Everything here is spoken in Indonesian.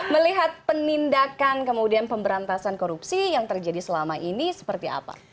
melihat penindakan kemudian pemberantasan korupsi yang terjadi selama ini seperti apa